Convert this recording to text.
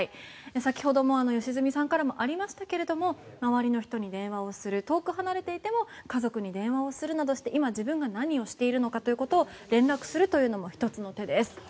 先ほども良純さんからもありましたけれども周りの人に電話をする遠く離れていても家族に電話をするなどして今、自分が何をしているのかということを連絡するというのも１つの手です。